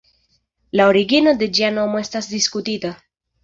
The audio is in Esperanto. La origino de ĝia nomo estas diskutita.